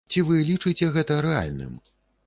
Ці вы лічыце гэта рэальным?